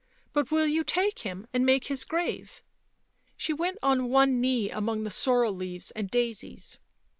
u But will you take him and make his grave V' She went on one knee among the sorrel leaves and daisies.